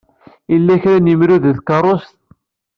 Yella kra n yemru deg tkeṛṛust?